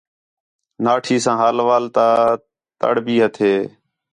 ناٹھی ساں حال وال تا تڑ بھی ہتھیں